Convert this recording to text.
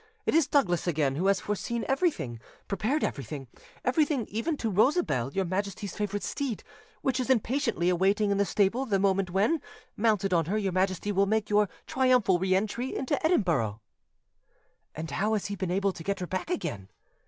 It is Douglas again who has foreseen everything, prepared everything—everything even to Rosabelle, your Majesty's favourite steed, which is impatiently awaiting in the stable the moment when, mounted on her, your Majesty will make your triumphal re entry into Edinburgh." "And how has he been able to get her back again?"